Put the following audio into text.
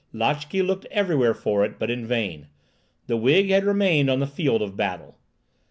Lotchè looked everywhere for it, but in vain. The wig had remained on the field of battle.